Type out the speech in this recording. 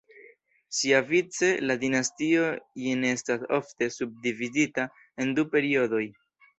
Siavice, la Dinastio Jin estas ofte subdividita en du periodoj.